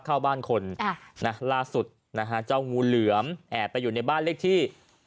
เข้าบ้านคนล่าสุดนะฮะเจ้างูเหลือมแอบไปอยู่ในบ้านเลขที่